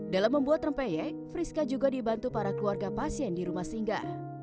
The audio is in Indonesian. dalam membuat rempeyek friska juga dibantu para keluarga pasien di rumah singga